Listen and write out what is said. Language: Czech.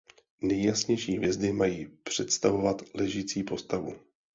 Nejjasnější hvězdy mají představovat ležící postavu.